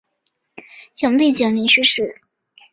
永历九年去世。